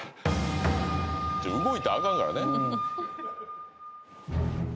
「動いたらあかんからね」